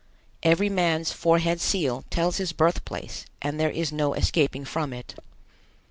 Every man's forehead seal tells his birthplace and there is no escaping from it.